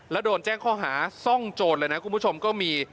แล้วโดนแจ้งข้อหาซ่องโจรเลยนะคุณผู้ชมก็มี